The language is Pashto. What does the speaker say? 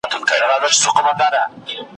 پلنډه نه وه د طلاوو خزانه وه ,